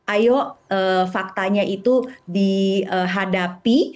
ayo faktanya itu dihadapi